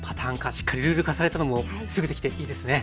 しっかりルール化されたのもすぐできていいですね。